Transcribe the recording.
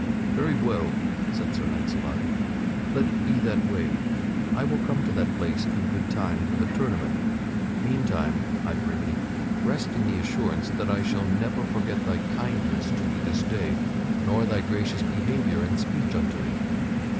"Very well," said Sir Launcelot, "let it be that way. I will come to that place in good time for the tournament. Meantime, I prithee, rest in the assurance that I shall never forgot thy kindness to me this day, nor thy gracious behavior and speech unto me.